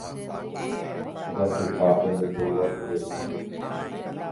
Jasypápe ndaiporiguasuvéima hi'upyrã.